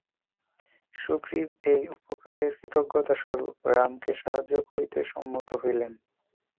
সুগ্রীব এই উপকারের কৃতজ্ঞতা- স্বরূপ রামকে সাহায্য করিতে সম্মত হইলেন।